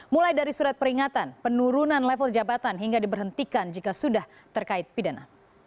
mulai dari surat peringatan penurunan level jabatan hingga diberhentikan jika sudah terkait pidana